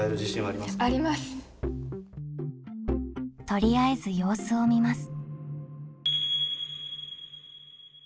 とりあえず様子を見ます。